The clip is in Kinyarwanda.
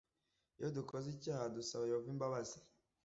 Iyo dukoze icyaha, dusaba Yehova imbabazi